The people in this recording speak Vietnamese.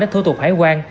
đến thu tục hải quan